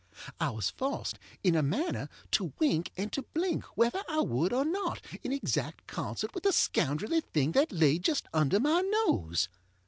I was forced, in a manner, to wink and to blink, whether I would or not, in exact concert with the scoundrelly thing that lay just under my nose.